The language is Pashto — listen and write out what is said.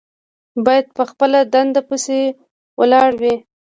باید په خپله دنده پسې ولاړ وي.